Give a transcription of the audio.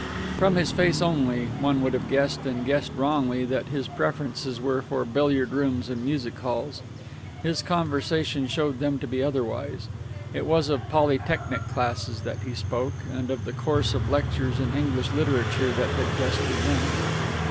From his face only one would have guessed, and guessed wrongly, that his preferences were for billiard rooms and music halls. His conversation showed them to be otherwise. It was of Polytechnic classes that he spoke, and of the course of lectures in English literature that had just begun.